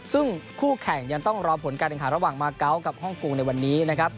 ซึ่งคู่แข่งยังต้องรอผลการแข่งขันระหว่างมาเกาะกับฮ่องกงในวันนี้นะครับ